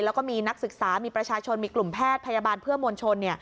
แล้วก็มีนักศึกษามีประชาชนมีกลุ่มแพทย์พยาบาลเพื่อมวลชน